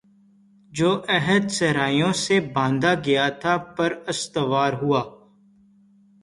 جو عہد صحرائیوں سے باندھا گیا تھا پر استوار ہوگا